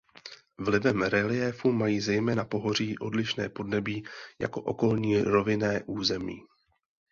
Vlivem reliéfu mají zejména pohoří odlišné podnebí jako okolní rovinné území.